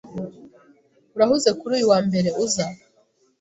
Urahuze kuri uyu wa mbere uza?